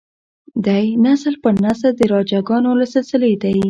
دی نسل پر نسل د راجه ګانو له سلسلې دی.